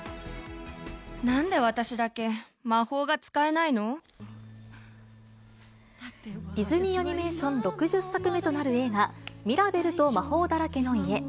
なんで私だけ魔法が使えないディズニーアニメーション６０作目となる映画、ミラベルと魔法だらけの家。